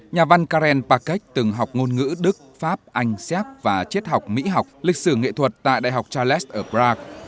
nhà văn karen pakech từng học ngôn ngữ đức pháp anh siác và triết học mỹ học lịch sử nghệ thuật tại đại học charles ở prague